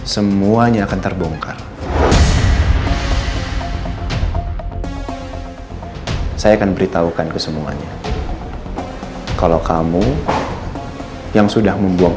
semuanya akan terbongkar saya akan beritahukan ke semuanya kalau kamu yang sudah membuang